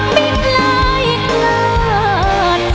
มิดลายอีกนาน